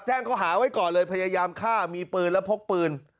แจ้งเขาหาไว้ก่อนเลยพยายามฆ่ามีปืนและพกปืน